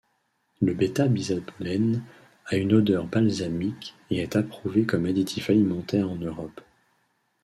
Le β-bisabolène a une odeur balsamique et est approuvé comme additif alimentaire en Europe.